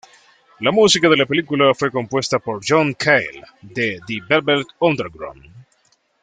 La música de la película fue compuesta por John Cale de The Velvet Underground.